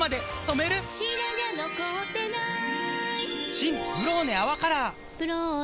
新「ブローネ泡カラー」「ブローネ」